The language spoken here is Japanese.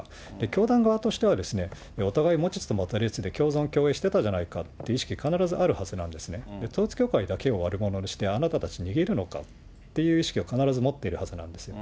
教団側としては、お互い、持ちつ持たれつで共存共栄していたんじゃないかっていう意識、必ずあるはずなんですね、統一教会だけを悪者にして、あなたたち逃げるのかっていう意識を必ず持ってるはずなんです。